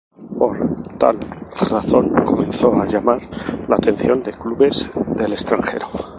Por tal razón, comenzó a llamar la atención de clubes del extranjero.